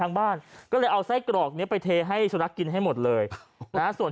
บ้านก็เลยเอาไส้กรอกนี้ไปเทให้สุนัขกินให้หมดเลยนะส่วน